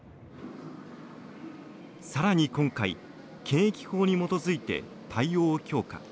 さらに今回、検疫法に基づいて対応を強化。